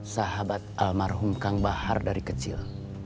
sahabat almarhum kang bahar dari kecil